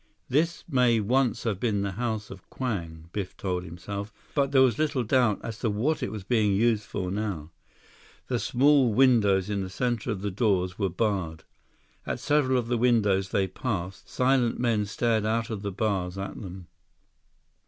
This may once have been the House of Kwang, Biff told himself, but there was little doubt as to what it was being used for now. The small windows in the center of the doors were barred. At several of the windows they passed, silent men stared out of the bars at them.